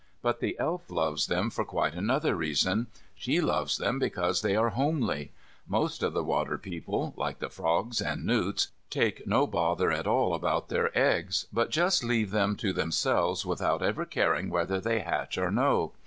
But the Elf loves them for quite another reason. She loves them because they are homely. Most of the water people, like the frogs and newts, take no bother at all about their eggs, but just leave them to themselves without ever caring whether they hatch or no.